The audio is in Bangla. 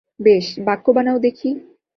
বেশ, বাক্য বানাও দেখি।